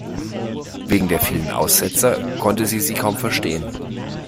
Wegen der vielen Aussetzer konnte sie sie kaum verstehen.